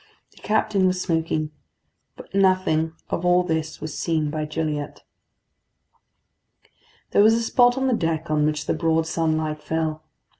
The captain was smoking; but nothing of all this was seen by Gilliatt. There was a spot on the deck on which the broad sunlight fell.